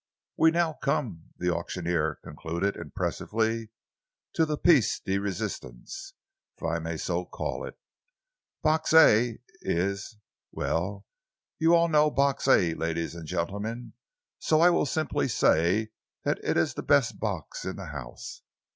"We now come," the auctioneer concluded impressively, "to the pièce de résistance, if I may so call it. Box A is well, you all know Box A, ladies and gentlemen, so I will simply say that it is the best box in the house.